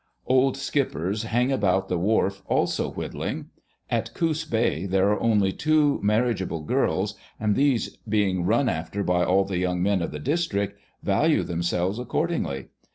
Old skippers hang about the wharf also whittling. At Goose Bay there are only two marriageable girls, and these being run after by all the young men of the district, value them selves accordingly.